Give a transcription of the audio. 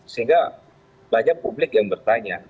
sehingga banyak publik yang bertanya